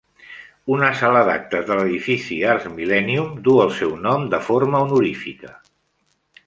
Una sala d"actes de l'edifici Arts Millennium du el seu nom de forma honorífica.